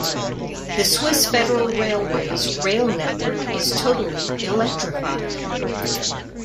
The Swiss Federal Railways rail network is totally electrified.